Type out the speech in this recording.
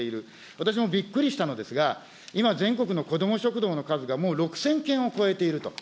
私もびっくりしたのですが、今、全国の子ども食堂の数が、もう６０００軒を超えていると。